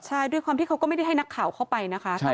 ใช่ด้วยความที่เขาก็ไม่ได้ให้นักข่าวเข้าไปนะคะ